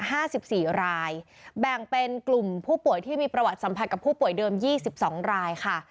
ห้าสิบสี่รายแบ่งเป็นกลุ่มผู้ป่วยที่มีประวัติสัมผัสกับผู้ป่วยเดิมยี่สิบสองรายค่ะ